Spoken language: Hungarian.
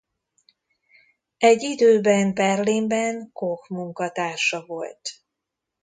Egy időben Berlinben Koch munkatársa volt.